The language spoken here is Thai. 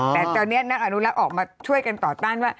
แต่ตอนนี้นักอนุรักษ์ออกมาช่วยกันต่อต้านว่า